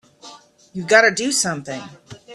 You've got to do something!